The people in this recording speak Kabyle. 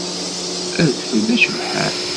Adfel d acebḥan.